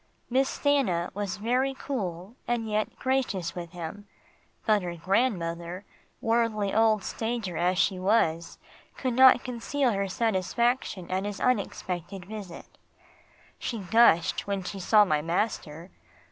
Miss Stanna was very cool, and yet gracious with him, but her grandmother, worldly old stager as she was, could not conceal her satisfaction at his unexpected visit. She gushed when she saw my master.